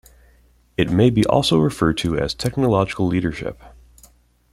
It may be also referred to as technological leadership.